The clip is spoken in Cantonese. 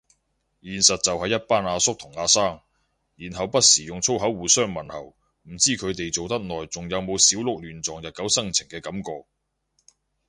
現實就係一班阿叔同阿生，然後不時用粗口互相問候，唔知佢哋做得耐仲有冇小鹿亂撞日久生情嘅感覺